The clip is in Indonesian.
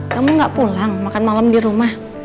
kamu gak pulang makan malam dirumah